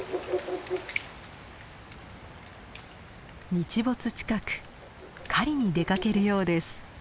日没近く狩りに出かけるようです。